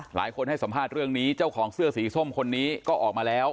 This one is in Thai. หลายคนให้สัมภาษณ์เรื่องนี้เจ้าของเสื้อสีส้มคนนี้ก็ออกมาแล้ว